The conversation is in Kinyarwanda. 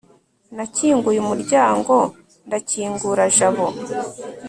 nakinguye umuryango ndakingura jabo